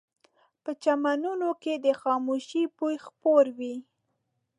په چمنونو کې د خاموشۍ بوی خپور وي